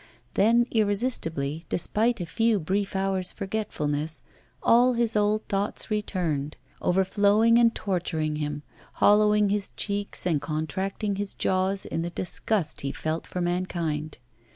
Then, irresistibly, despite a few brief hours' forgetfulness, all his old thoughts returned, overflowing and torturing him, hollowing his cheeks and contracting his jaws in the disgust he felt for mankind.